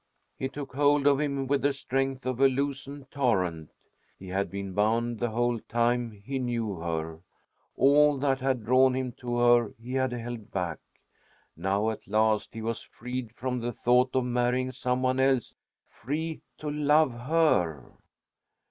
It took hold of him with the strength of a loosened torrent. He had been bound the whole time he knew her. All that had drawn him to her he had held back. Now, at last, he was freed from the thought of marrying some one else free to love her.